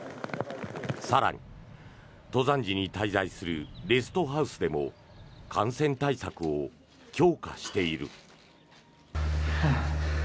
更に登山時に滞在するレストハウスでも感染対策を強化している。